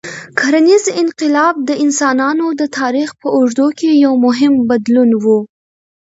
کرنيز انقلاب د انسانانو د تاریخ په اوږدو کې یو مهم بدلون و.